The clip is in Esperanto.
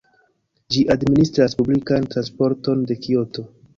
Ĝi administras publikan transporton de Kioto.